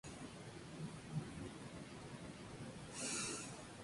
Otras fábulas afirmaban que su ataúd se había utilizado como abrevadero.